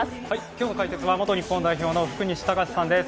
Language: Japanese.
今日の解説は元日本代表の福西崇史さんです。